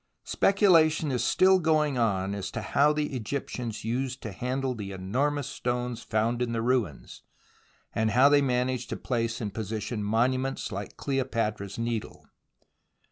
Speculation is still going on as to how the Egyptians used to handle the enormous stones found in the ruins, and how they managed to place in position monuments Hke Cleopatra's Needle.